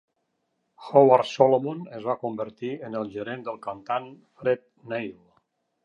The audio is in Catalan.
Howard Solomon es va convertir en el gerent del cantant Fred Neil.